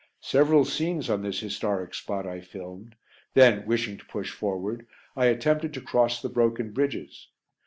Several scenes on this historic spot I filmed, then, wishing to push forward, I attempted to cross the broken bridges.